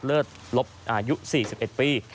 เลิศลบอายุ๔๑ปี